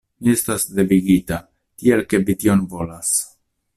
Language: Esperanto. Mi estas devigita, tial ke vi tion volas.